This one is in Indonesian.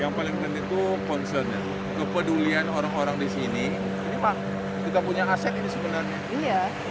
yang paling penting itu concern ya kepedulian orang orang di sini ini mah kita punya aset ini sebenarnya